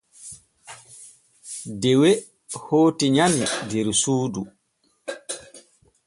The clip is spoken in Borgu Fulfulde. Dewe hooti nyani der suudu.